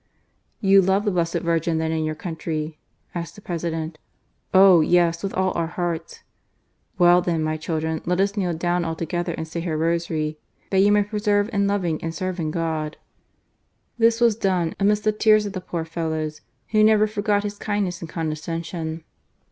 " You love the Blessed Virgin then in your country?" asked the President. "Oh! yes, with all our hearts," " Well then, my children, let us kneel down all together and say her Rosary, that you may persevere in loving and serving God," which was done, amidst the tears of the poor fellows who never forgot his kindness and condescension.